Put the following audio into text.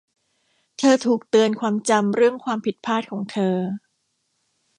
เธอถูกเตือนความจำเรื่องความผิดพลาดของเธอ